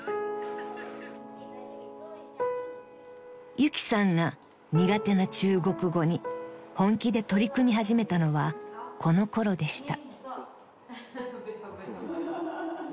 ［ゆきさんが苦手な中国語に本気で取り組み始めたのはこのころでした］